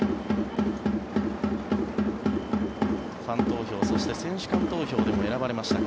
ファン投票、そして選手間投票でも選ばれました